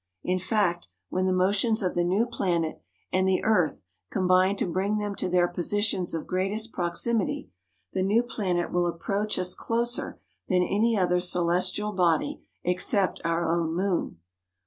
In fact, when the motions of the new planet and the earth combine to bring them to their positions of greatest proximity, the new planet will approach us closer than any other celestial body except our own moon.